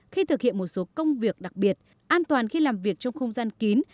khi thực hiện một số công việc đặc biệt an toàn khi làm việc trong không gian kín